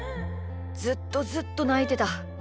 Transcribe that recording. ずっとずっとないてた。